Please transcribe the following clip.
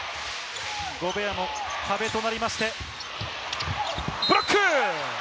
ゴベアも壁となりまして、ブロック！